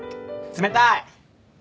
冷たい！